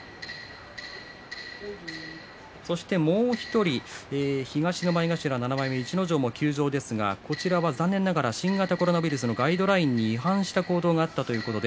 そしてもう１人東の前頭７枚目逸ノ城も休場ですがこちらは残念ながら新型コロナウイルスのガイドラインに違反した行動があったということで